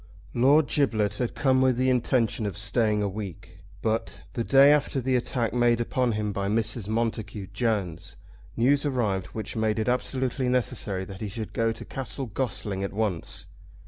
Lord Giblet had come with the intention of staying a week, but, the day after the attack made upon him by Mrs. Montacute Jones, news arrived which made it absolutely necessary that he should go to Castle Gossling at once.